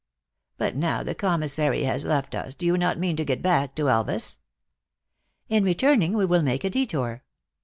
" But now the commissary has left us, do you not mean to go back to Elvas ?"" In returning we will make a detour."